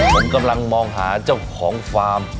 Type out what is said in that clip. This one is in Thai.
ผมกำลังมองหาเจ้าของฟาร์ม